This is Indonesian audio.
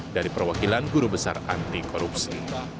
dari perwakilan guru besar anti korupsi